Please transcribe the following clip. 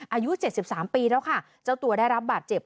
อายุเจ็บสิบสามปีแล้วค่ะเจ้าตัวได้รับบาดเจ็บ